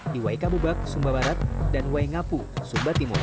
di waikabubak dan waingapu